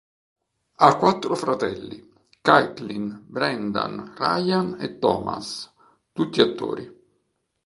Ha quattro fratelli, Kaitlyn, Brendan, Ryan e Thomas, tutti attori.